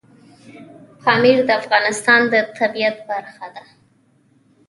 پامیر د افغانستان د طبیعت برخه ده.